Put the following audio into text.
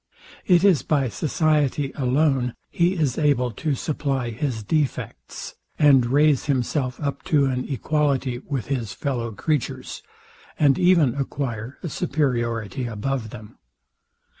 It is by society alone he is able to supply his defects, and raise himself up to an equality with his fellow creatures, and even acquire a superiority above them.